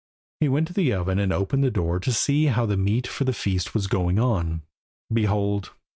He went to the oven and opened the door to see how the meat for the feast was going on. Behold!